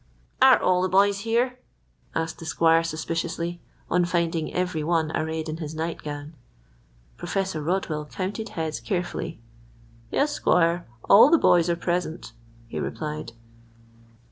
"Are all the boys here?" asked the squire suspiciously, on finding every one arrayed in his night gown. Professor Rodwell counted heads carefully. "Yes, squire, all the boys are present," he replied.